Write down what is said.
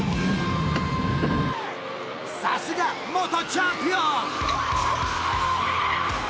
さすが元チャンピオン！